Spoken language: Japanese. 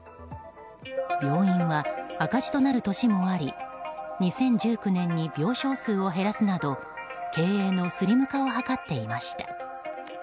病院は赤字となる年もあり２０１９年に病床数を減らすなど経営のスリム化を図っていました。